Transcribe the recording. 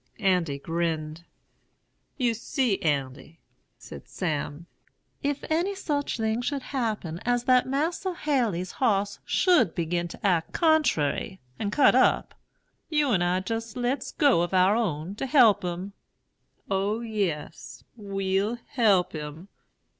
"Andy grinned. "'You see, Andy,' said Sam, 'if any such thing should happen as that Mas'r Haley's hoss should begin to act contrary, and cut up, you and I jist lets go of our'n to help him! O yes, we'll help him!'